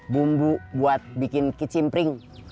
bumbu buat bikin kicimpring